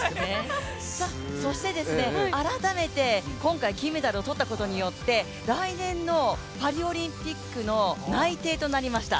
そして改めて今回金メダルを取ったことによって、来年のパリオリンピックの内定となりました。